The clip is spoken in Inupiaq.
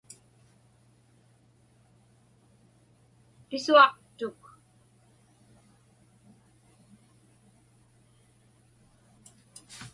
Pisuaqtuk.